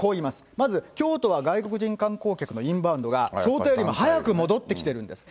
まず京都は外国人観光客のインバウンドが想定より早く戻ってきてるんです。